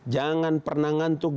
jangan pernah ngantuk